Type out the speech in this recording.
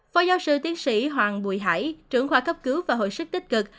phó giáo sư tiến sĩ hoàng bùi hải trưởng khoa cấp cứu và hồi sức tích cực